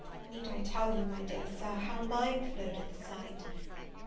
Need I tell you, my dear Sir, how mine flowed at the sight?